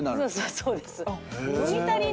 そうです。